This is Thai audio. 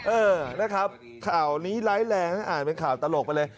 เออนะครับข่าวนี้ไร้แรงนะอ่านเป็นข่าวตลกไปเลย